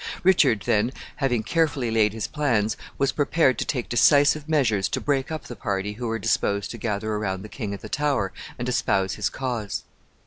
Richard then, having carefully laid his plans, was prepared to take decisive measures to break up the party who were disposed to gather around the king at the Tower and espouse his cause.